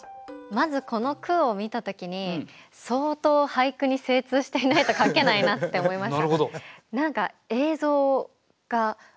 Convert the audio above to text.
まずこの句を見た時に相当俳句に精通していないと書けないなって思いました。